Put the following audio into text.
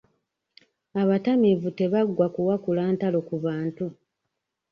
Abatamiivu tebaggwa kuwakula ntalo ku bantu.